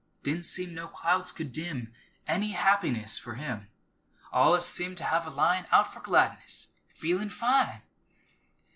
Didn't seem no clouds could dim Any happiness for him, Allus seemed to have a line Out f'r gladness "feelin' fine!"